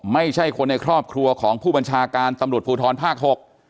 ไม่ใช่คนในครอบครัวของผู้บัญชาการตำรวจภูทรภาค๖